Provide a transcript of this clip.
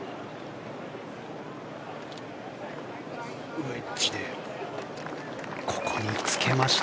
ウェッジでここにつけました。